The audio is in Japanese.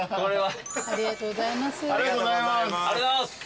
ありがとうございます。